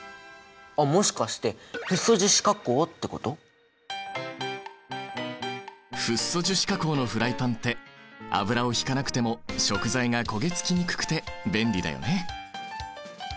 あっもしかしてフッ素樹脂加工のフライパンって油を引かなくても食材が焦げ付きにくくて便利だよね。